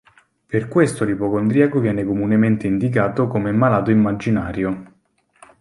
Per questo l'ipocondriaco viene comunemente indicato come "malato immaginario".